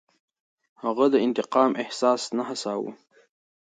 هغه د انتقام احساس نه هڅاوه.